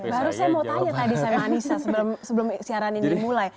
baru saya mau tanya tadi sama anissa sebelum siaran ini dimulai